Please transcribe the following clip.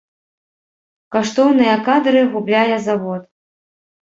Каштоўныя кадры губляе завод!